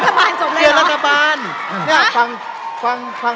แค่เปลี่ยนรัฐบาลฟังเรานะ